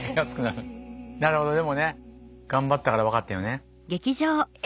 なるほどでもね頑張ったから分かったよね。